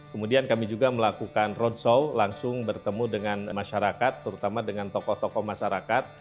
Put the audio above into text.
kemudian kami juga melakukan roadshow langsung bertemu dengan masyarakat terutama dengan tokoh tokoh masyarakat